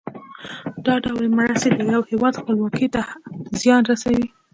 دا ډول مرستې د یو هېواد خپلواکۍ ته هم زیان رسوي.